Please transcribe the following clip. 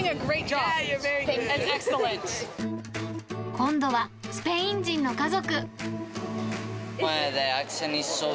今度はスペイン人の家族。